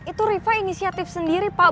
itu riva inisiatif sendiri pak